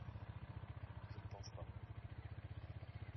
Je ne pense pas.